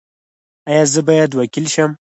ایا زه باید وکیل شم؟